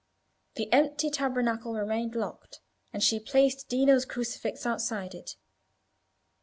The empty tabernacle remained locked, and she placed Dino's crucifix outside it.